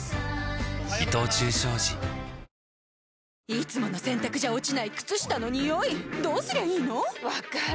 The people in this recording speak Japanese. いつもの洗たくじゃ落ちない靴下のニオイどうすりゃいいの⁉分かる。